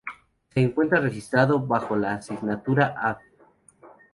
Se encuentra registrado bajo la signatura Add.